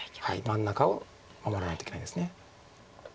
真ん中を守らないといけないです。